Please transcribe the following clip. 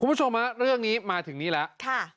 คุณผู้ชมเรื่องนี้มาถึงนี่แล้ว